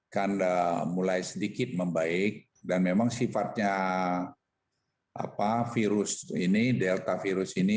kan mulai sedikit membaik dan memang sifatnya virus ini delta virus ini